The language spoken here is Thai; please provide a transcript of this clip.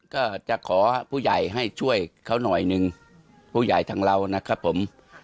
ก็จะขอผู้ใหญ่ให้ช่วยเขาหน่อยหนึ่งผู้ใหญ่ทางเรานะครับผม